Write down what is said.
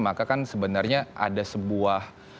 maka kan sebenarnya ada sebuah